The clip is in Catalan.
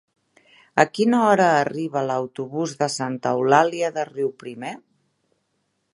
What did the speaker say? A quina hora arriba l'autobús de Santa Eulàlia de Riuprimer?